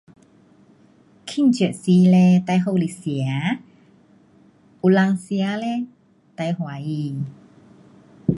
庆祝时嘞最好是吃，有得吃嘞最欢喜。